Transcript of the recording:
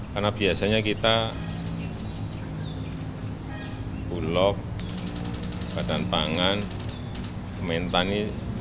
karena biasanya kita bulog badan pangan pementani